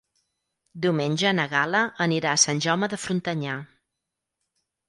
Diumenge na Gal·la anirà a Sant Jaume de Frontanyà.